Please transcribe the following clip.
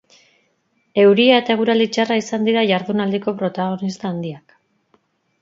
Euria eta eguraldi txarra izan dira jardunaldiko protagonista handiak.